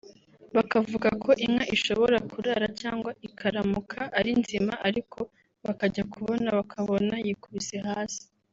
bakavuga ko inka ishobora kurara cyangwa ikaramuka ari nzima ariko bakajya kubona bakabona yikubise hasi